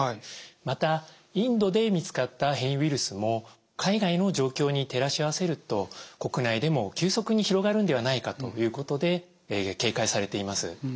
またインドで見つかった変異ウイルスも海外の状況に照らし合わせると国内でも急速に広がるんではないかということで警戒されています。